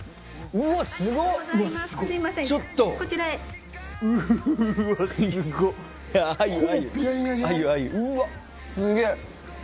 うわすげぇ。